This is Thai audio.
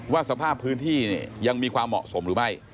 สภาพพื้นที่ยังมีความเหมาะสมหรือไม่